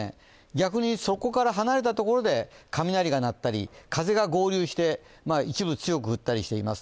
逆にそこから離れたところで雷が鳴ったり風が合流して一部強く降ったりしています。